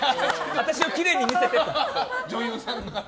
私をきれいに見せてと。